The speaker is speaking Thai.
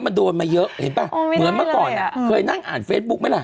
เหมือนเมื่อก่อนเคยนั่งอ่านเฟซบุ๊กไหมล่ะ